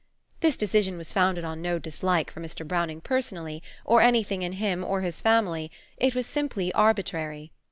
This decision was founded on no dislike for Mr. Browning personally, or anything in him or his family; it was simply arbitrary.